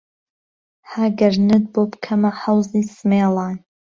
ها گهرنت بۆ پکهمه حهوزی سمێڵان